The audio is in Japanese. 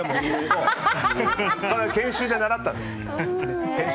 研修で習ったんです。